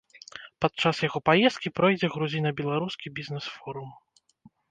Падчас яго паездкі пройдзе грузіна-беларускі бізнэс-форум.